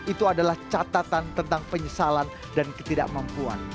itu adalah catatan tentang penyesalan dan ketidakmampuan